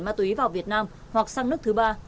ma túy vào việt nam hoặc sang nước thứ ba